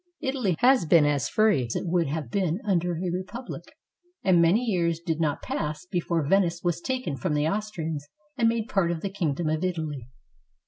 Italy has been as free as it would have been under a republic, and many years did not pass before Venice was taken from the Austrians and made part of the kingdom of Italy.